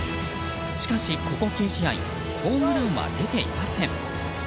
しかし、ここ９試合ホームランは出ていません。